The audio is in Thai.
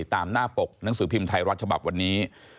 ตามหน้าปกหนังสือพิมพ์ไทยรัฐฉบับวันนี้